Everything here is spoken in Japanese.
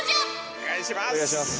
お願いします。